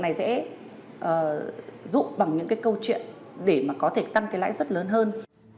các đối tượng này sẽ dụng bằng những cái câu chuyện để mà có thể tăng cái lãi suất lớn hơn